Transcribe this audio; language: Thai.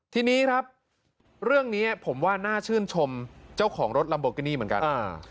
ทีนี้ครับเรื่องนี้ผมว่าน่าชื่นชมเจ้าของรถลัมโบกินี่เหมือนกัน